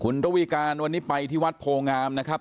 คุณระวีการวันนี้ไปที่วัดโพงามนะครับ